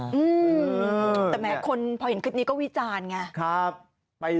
อืมแต่แหมคนพอเห็นคลิปนี้ก็วิจารณ์ไง